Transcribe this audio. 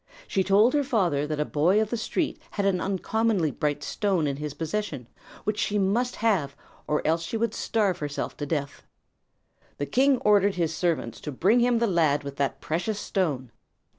She told her father that a boy of the street had an uncommonly bright stone in his possession which she must have or else she would starve herself to death. The king ordered his servants to bring to him the lad with that precious stone.